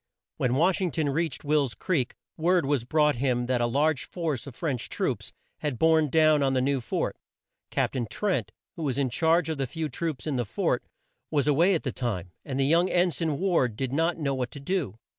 When Wash ing ton reached Will's Creek word was brought him that a large force of French troops had borne down on the new fort. Cap tain Trent, who was in charge of the few troops in the fort, was a way at the time, and the young En sign Ward did not know what to do.